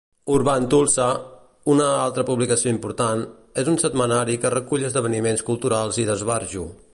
"Urban Tulsa", una altra publicació important, és un setmanari que recull esdeveniments culturals i d'esbarjo.